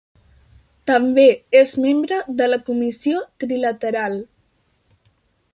També és membre de la Comissió Trilateral.